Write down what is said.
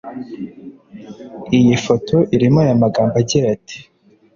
Iyi foto irimo aya magambo agira ati